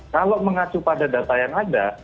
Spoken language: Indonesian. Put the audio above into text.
kalau mengacu pada data yang ada